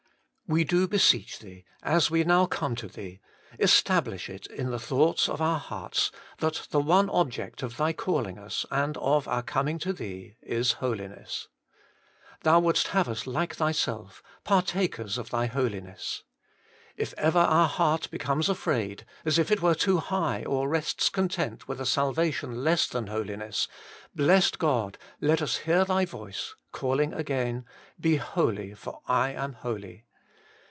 We do beseech Thee, as we now come to Thee, establish it in the thoughts of our heart, that the one object of Thy calling us, and of our coming to Thee, is Holiness. Thou wouldst have us like Thyself, partakers of Thy Holiness. If ever our heart becomes afraid, as if it were too high, or rests content with a salvation less than Holiness, Blessed God ! let us hear Thy voice calling again, Be holy, I am holy.